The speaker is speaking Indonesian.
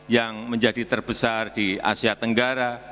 yang menjadi terbesar di asia tenggara